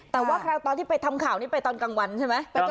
แต่ว่าตอนที่ไปทำข่าวนี้ไปตอนกลางวันใช่ไหม